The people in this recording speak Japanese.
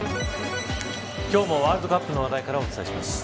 今日もワールドカップの話題からお伝えします。